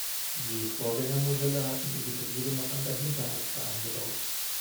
Die Vorgängermodelle hatten ihr Getriebe noch an der Hinterachse eingebaut.